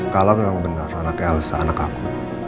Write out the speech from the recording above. kalau memang bener anak elsa anak aku